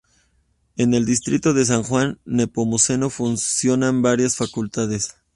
En el distrito de San Juan Nepomuceno funcionan varias facultades.